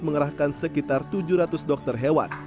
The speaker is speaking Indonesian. mengerahkan sekitar tujuh ratus dokter hewan